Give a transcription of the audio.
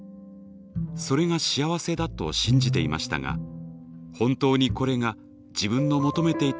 それが幸せだと信じていましたが本当にこれが自分の「求めていた幸せなのか？」